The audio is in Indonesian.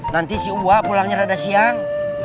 nanti si uap pulangnya rada siang